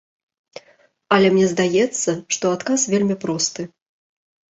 Але мне здаецца, што адказ вельмі просты.